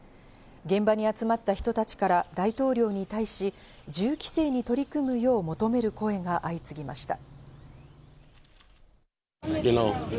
現場に集まった人たちから大統領に対し、銃規制に取り組むよう求める声が相次ぎました。